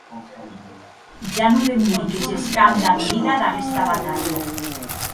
Ja non demori que gescam damb vida d’aguesta batalha.